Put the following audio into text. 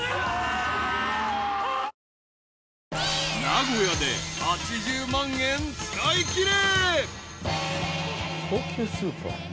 ［名古屋で８０万円使いきれ］